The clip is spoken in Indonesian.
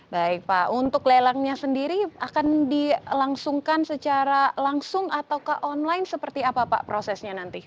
baik pak untuk lelangnya sendiri akan dilangsungkan secara langsung atau ke online seperti apa pak prosesnya nanti